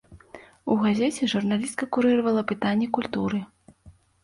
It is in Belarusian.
У газеце журналістка курыравала пытанні культуры.